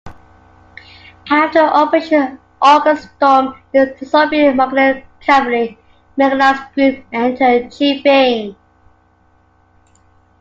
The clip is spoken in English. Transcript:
After Operation August Storm, the Soviet-Mongolian Cavalry-Mechanized Group entered Chifeng.